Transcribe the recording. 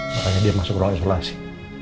makanya dia masuk ruang isolasi